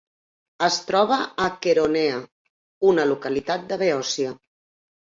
Es troba a Queronea, una localitat de Beòcia.